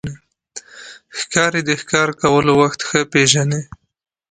ښکاري د ښکار کولو وخت ښه پېژني.